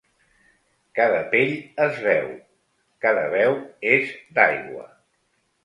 Cada pell és veu, cada veu és d’aigua.